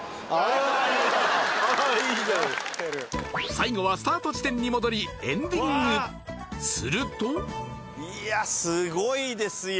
最後はスタート地点に戻りエンディングするといやすごいですよ